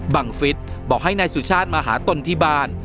บังฟิศบอกให้นายสุชาติมาหาตนที่บ้าน